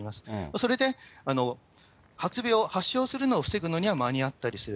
それで、発病、発症するのを防ぐのには間に合ったりする。